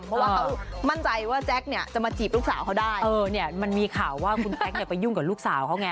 เพราะว่าเขามั่นใจว่าแจ๊คเนี่ยจะมาจีบลูกสาวเขาได้เออเนี่ยมันมีข่าวว่าคุณแจ๊คเนี่ยไปยุ่งกับลูกสาวเขาไง